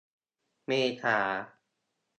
เมษา